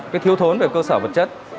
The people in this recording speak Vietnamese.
cái thiếu thốn về cơ sở vật chất